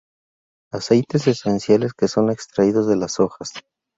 Aceites esenciales que son extraídos de las hojas.